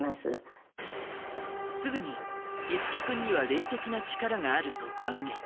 すぐに樹君には霊的な力があると断言。